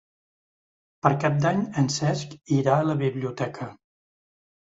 Per Cap d'Any en Cesc irà a la biblioteca.